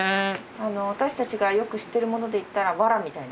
私たちがよく知ってるもので言ったらわらみたいな？